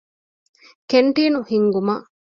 ކެންޓީނު ހިންގުމަށް